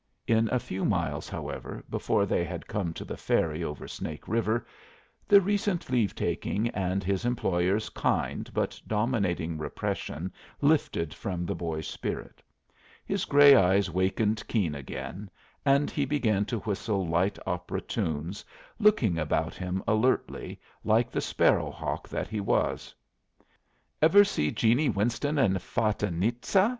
In a few miles, however, before they had come to the ferry over Snake River, the recent leave taking and his employer's kind but dominating repression lifted from the boy's spirit. His gray eye wakened keen again, and he began to whistle light opera tunes, looking about him alertly, like the sparrow hawk that he was. "Ever see Jeannie Winston in 'Fatinitza'?"